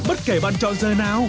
bất kể bạn chọn giờ nào